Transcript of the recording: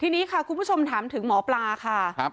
ทีนี้ค่ะคุณผู้ชมถามถึงหมอปลาค่ะ